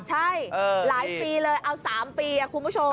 ใช่หลายปีเลยเอา๓ปีคุณผู้ชม